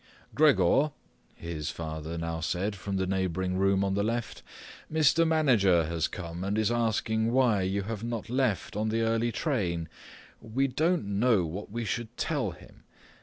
"Gregor," his father now said from the neighbouring room on the left, "Mr. Manager has come and is asking why you have not left on the early train. We don't know what we should tell him.